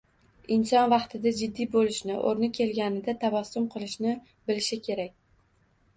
Inson vaqtida jiddiy bo‘lishni, o‘rni kelganida tabassum qilishni bilishi kerak.